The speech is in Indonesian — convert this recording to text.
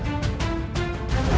aku akan menolongmu saat ini